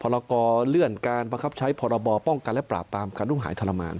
ท่านเลื่อนการบังคับใช้พบป้องกันและปราบปรามการลุ่มหายทรมาน